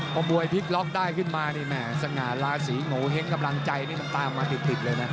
พวกมวยฟิกล็อคได้ขึ้นมานี่นะสง่าลาศีโงเห้งกำลังใจตามมาติดเลยนะ